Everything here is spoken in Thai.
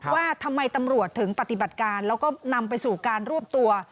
ว่าทำไมตำรวจถึงปฏิบัติการแล้วก็นำไปสู่การรวบตัว